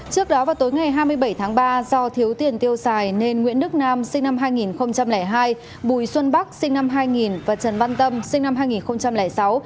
trước đó vào tối ngày hai mươi bảy tháng ba do thiếu tiền tiêu xài nên nguyễn đức nam sinh năm hai nghìn hai bùi xuân bắc sinh năm hai nghìn và trần văn tâm sinh năm hai nghìn sáu